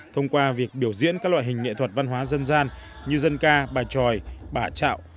thông qua việc biểu diễn các loại hình nghệ thuật văn hóa dân gian như dân ca bài tròi bà trạo